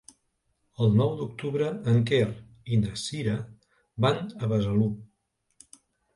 El nou d'octubre en Quer i na Sira van a Besalú.